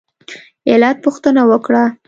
علت پوښتنه وکړه.